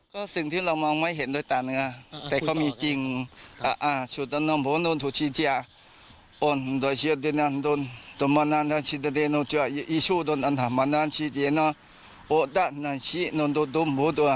ก็สิ่งที่เรามองไม่เห็นโดยต่างแต่เขามีจริง